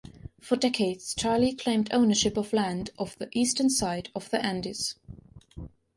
For decades, Chile claimed ownership of land on the eastern side of the Andes.